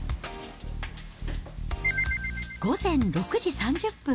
午前６時３０分。